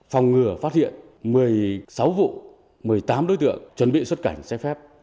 phòng ngừa phát hiện một mươi sáu vụ một mươi tám đối tượng chuẩn bị xuất cảnh trái phép